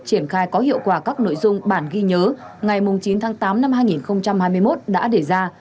triển khai có hiệu quả các nội dung bản ghi nhớ ngày chín tháng tám năm hai nghìn hai mươi một đã để ra